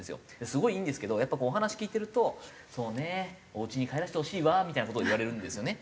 すごいいいんですけどやっぱお話聞いてると「そうねえおうちに帰らせてほしいわ」みたいな事を言われるんですよね。